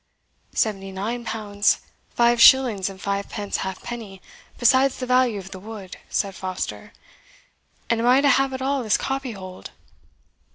"Seventy nine pounds, five shillings and fivepence half penny, besides the value of the wood," said Foster; "and I am to have it all as copyhold?"